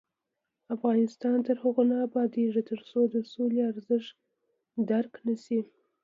افغانستان تر هغو نه ابادیږي، ترڅو د سولې ارزښت درک نشي.